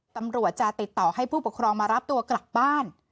ตำรวจจะติดต่อให้ผู้ปกครองมารับตัวกลับบ้าน